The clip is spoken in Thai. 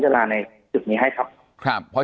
จนถึงปัจจุบันมีการมารายงานตัว